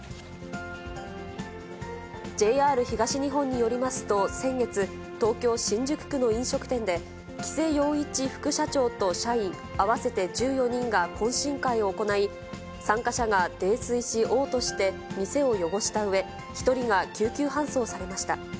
ＪＲ東日本によりますと、先月、東京・新宿区の飲食店で、喜せ陽一副社長と社員合わせて１４人が懇親会を行い、参加者が泥酔し、おう吐して、店を汚したうえ、１人が救急搬送されました。